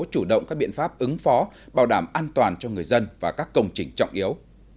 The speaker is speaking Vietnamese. chủ động các biện pháp ứng phó bảo đảm an toàn cho người dân và các công trình trọng yếu